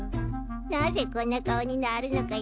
なぜこんな顔になるのかしら。